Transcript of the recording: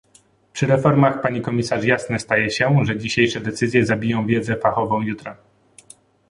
Przy reformach pani komisarz jasne staje się, że dzisiejsze decyzje zabiją wiedzę fachową jutra